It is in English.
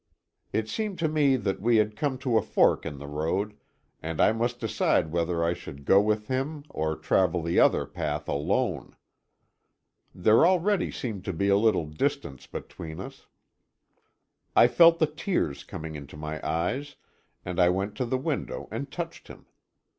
It seemed to me that we had come to a fork in the road, and I must decide whether I should go with him, or travel the other path alone. There already seemed to be a little distance between us. I felt the tears coming into my eyes, and I went to the window and touched him.